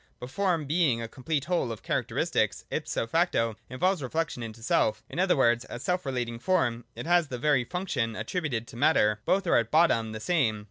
But Form, being a complete whole of char acteristics, ipso facto involves reflection into self; in other words, as self relating Form it has the very function attributed to Matter. Both are at bottom the same.